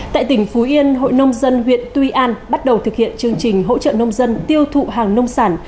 tại tỉnh phú yên hội nông dân huyện tuy an bắt đầu thực hiện chương trình hỗ trợ nông dân tiêu thụ hàng nông sản